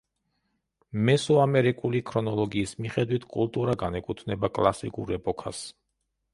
მესოამერიკული ქრონოლოგიის მიხედვით კულტურა განეკუთვნება კლასიკურ ეპოქას.